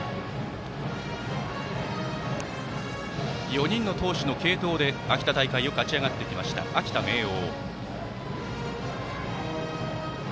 ４人の投手の継投で秋田大会を勝ち上がってきた秋田・明桜。